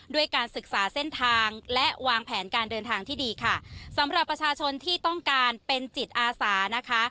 ด้วยการศึกษาเส้นทางและวางแผนการเดินทางที่ดีค่ะสำหรับประชาชนที่ต้องการเป็นจิตอาสานะคะ